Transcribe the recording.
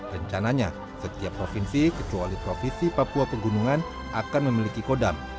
rencananya setiap provinsi kecuali provinsi papua pegunungan akan memiliki kodam